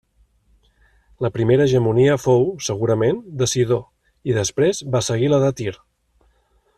La primera hegemonia fou, segurament, de Sidó i després va seguir la de Tir.